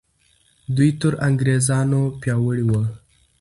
دوی تر انګریزانو پیاوړي وو.